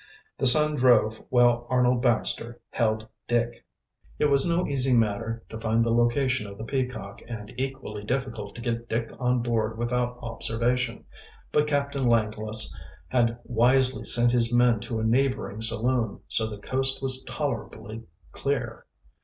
The son drove while Arnold Baxter held Dick. It was no easy matter to find the location of the Peacock, and equally difficult to get Dick on board without observation. But Captain Langless had wisely sent his men to a neighboring saloon, so the coast was tolerably clear.